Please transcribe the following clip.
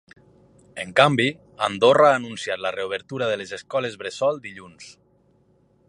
En canvi, Andorra ha anunciat la reobertura de les escoles bressol dilluns.